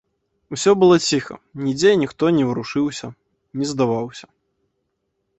Усё было ціха, нідзе ніхто не варушыўся, не здаваўся.